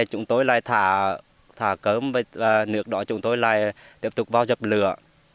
chúng tôi lại thả cơm và nước đỏ chúng tôi lại tiếp tục vào dập lửa